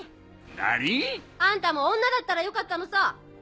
何⁉あんたも女だったらよかったのさ！